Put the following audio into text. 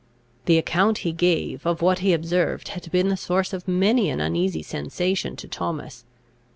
The account he gave of what he observed had been the source of many an uneasy sensation to Thomas.